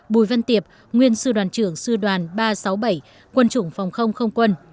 bùi văn tiệp nguyên sư đoàn trưởng sư đoàn ba trăm sáu mươi bảy quân chủng phòng không không quân